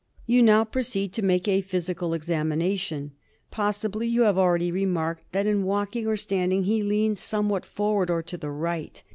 You now proceed to make a physical examination. Possibly you have already remarked that in walking or standing he leans somewhat forward, or to the right.